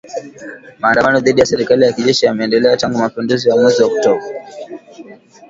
Maandamano dhidi ya serikali ya kijeshi yameendelea tangu mapinduzi ya mwezi Oktoba